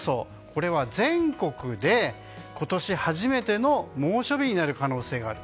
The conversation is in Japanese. これは全国で今年初めての猛暑日になる可能性がある。